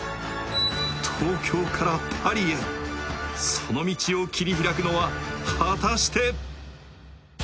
東京からパリへ、その道を切り開くのは果たして！